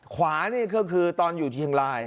ขวานี่ก็คือตอนอยู่เชียงราย